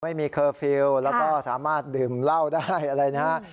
ไม่มีเคอร์ฟิลแล้วก็สามารถดื่มเหล้าได้อะไรนะ